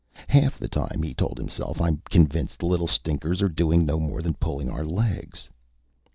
Half the time, he told himself, I'm convinced the little stinkers are doing no more than pulling our legs.